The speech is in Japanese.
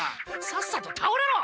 さっさとたおれろ！